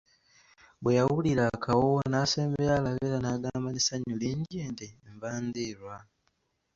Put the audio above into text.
Bwe yawulira akawoowo n'asembera alabe era n'agamba n'essanyu lingi nti, nva ndiirwa!